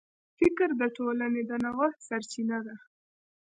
فکر د ټولنې د نوښت سرچینه ده.